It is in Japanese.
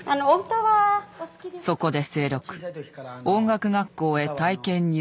そこで清六音楽学校へ体験入学。